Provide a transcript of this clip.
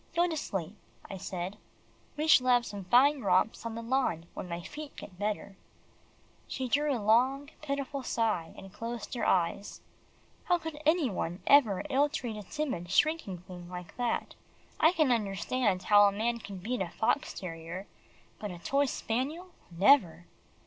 "Go to sleep," I said, "we shall have some fine romps on the lawn when my feet get better." She drew a long, pitiful sigh, and closed her eyes. How could any one ever ill treat a timid shrinking thing like that. I can understand how a man can beat a fox terrier but a toy spaniel never!